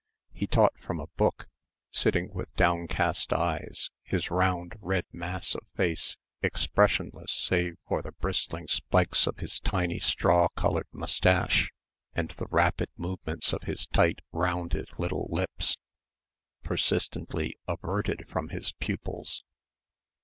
He taught from a book, sitting with downcast eyes, his round red mass of face expressionless save for the bristling spikes of his tiny straw coloured moustache and the rapid movements of his tight rounded little lips persistently averted from his pupils.